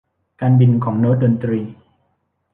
การบินของโน้ตดนตรี